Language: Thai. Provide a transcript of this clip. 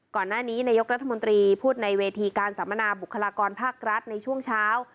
ก่อนหน้านี้นายกรัฐมนตรีพูดในเวทีการสัมมนาบุคลากรภาครัฐในช่วงเช้า